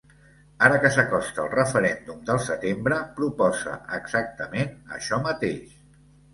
Ara que s’acosta el referèndum del setembre, proposa exactament això mateix.